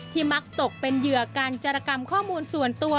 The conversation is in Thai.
มักตกเป็นเหยื่อการจรกรรมข้อมูลส่วนตัว